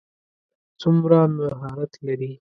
څومره مهارت لري.